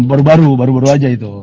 baru baru baru baru aja itu